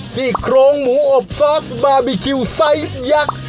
ซี่โครงหมูอบซอสบาร์บีคิวไซส์ยักษ์